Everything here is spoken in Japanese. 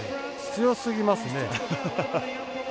強すぎますね。